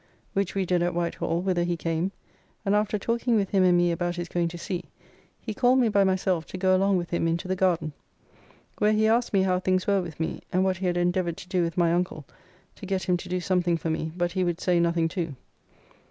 Which we did at White Hall, whither he came, and after talking with him and me about his going to sea, he called me by myself to go along with him into the garden, where he asked me how things were with me, and what he had endeavoured to do with my uncle to get him to do something for me but he would say nothing too.